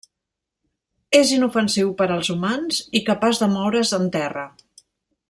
És inofensiu per als humans i capaç de moure's en terra.